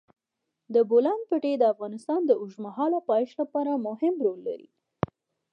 د بولان پټي د افغانستان د اوږدمهاله پایښت لپاره مهم رول لري.